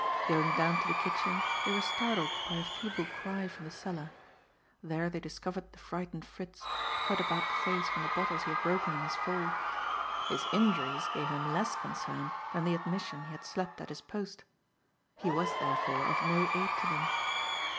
Going down to the kitchen, they were startled by a feeble cry from the cellar. There they discovered the frightened Fritz, cut about the face from the bottles he had broken in his fall. His injuries gave him less concern than the admission he had slept at his post. He was, therefore, of no aid to them.